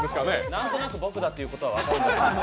なんとなく僕だということは分かるんですけど。